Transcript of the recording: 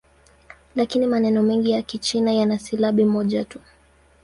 Lakini maneno mengi ya Kichina yana silabi moja tu.